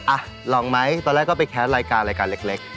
อ่ะลองไหมตอนแรกก็ไปแคสรายการรายการเล็ก